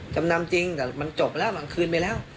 จำนำจริงแต่มันจบแล้วมันคืนไปแล้ว